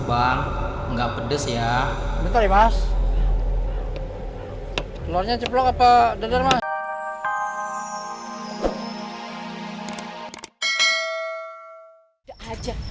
doang nggak pedes ya betul mas telurnya ceplok apa dadar mas